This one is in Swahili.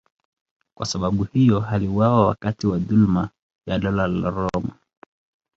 Kwa sababu hiyo aliuawa wakati wa dhuluma ya Dola la Roma.